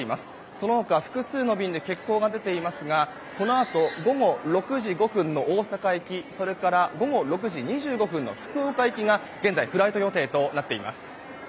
その他、複数の便で欠航が出ていますがこのあと午後６時５分の大阪行きそれから午後６時２５分の福岡行きが現在フライト予定となっています。